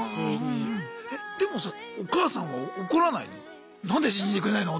えでもさお母さんは怒らないの？